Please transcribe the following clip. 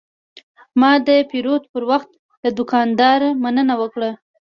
ما د پیرود پر وخت له دوکاندار مننه وکړه.